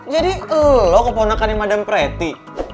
jadi elu keponakan yang madame preti